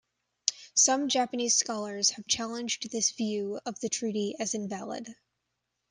Some Japanese scholars have challenged this view of the treaty as invalid.